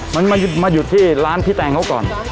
มันมาหยุดที่ร้านพี่แตงเขาก่อน